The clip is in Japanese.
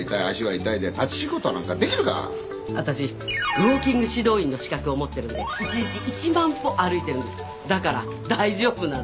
ウォーキング指導員の資格を持ってるんで１日１万歩歩いてるんですだから大丈夫なんですよ